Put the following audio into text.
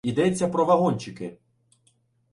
Ідеться про вагончики